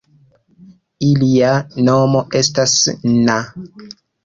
Ilia nomo estas na.